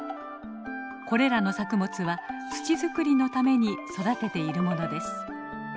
これらの作物は土作りのために育てているものです。